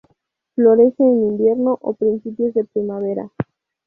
Florece en invierno o principios de primavera.